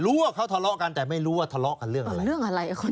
รู้ว่าเขาทะเลาะกันแต่ไม่รู้ว่าทะเลาะกันเรื่องอะไร